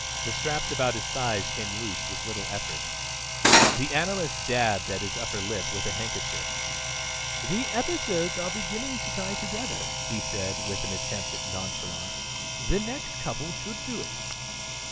The straps about his thighs came loose with little effort. The analyst dabbed at his upper lip with a handkerchief. "The episodes are beginning to tie together," he said, with an attempt at nonchalance. "The next couple should do it."